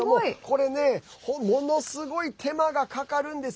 これねものすごい手間がかかるんです。